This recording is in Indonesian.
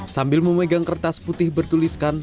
sambil memegang kertas putih bertuliskan